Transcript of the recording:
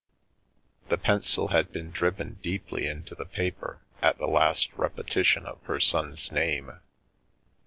The pencil had been driven deeply into the paper at the last repetition of her son's name.